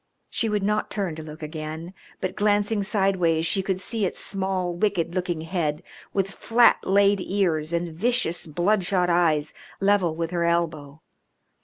She would not turn to look again, but glancing sideways she could see its small, wicked looking head, with flat laid ears and vicious, bloodshot eyes, level with her elbow.